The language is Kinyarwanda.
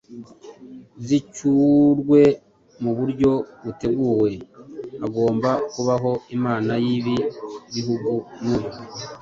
zicyurwe mu buryo buteguwe hagomba kubaho inama y'ibi bihugu n'uyu